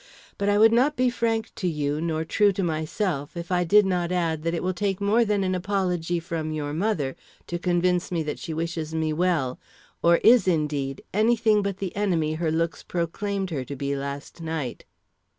But I would not be frank to you nor true to myself if I did not add that it will take more than an apology from your mother to convince me that she wishes me well, or is, indeed, any thing but the enemy her looks proclaimed her to be last night."